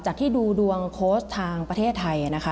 จากที่ดูดวงโค้ชทางประเทศไทย